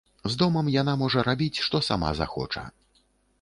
З домам яна можа рабіць, што сама захоча.